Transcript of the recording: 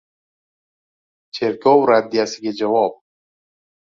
Cherkov "raddiya"siga javob